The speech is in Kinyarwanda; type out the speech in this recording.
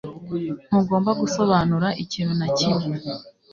Ntugomba gusobanura ikintu na kimwe